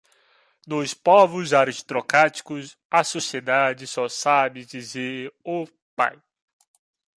Nos povos aristocráticos, a sociedade só sabe dizer o pai.